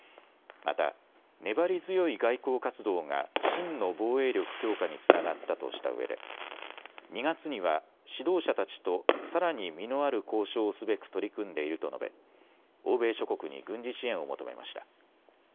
また、粘り強い外交活動が真の防衛力強化につながったとしたうえで２月には指導者たちとさらに実のある交渉をすべく取り組んでいると述べ欧米諸国に軍事支援を求めました。